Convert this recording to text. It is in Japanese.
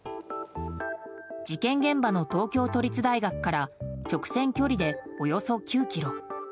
事件現場の東京都立大学から直線距離でおよそ９ｋｍ。